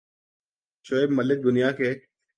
شعیب ملک دنیا کے